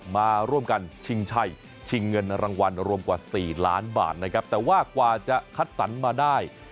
มาร่วมกันชิงชัยชิงเงินรางวัลรวมกว่า๔ล้านบาทนะครับแต่ว่ากว่าจะคัดสรรมาได้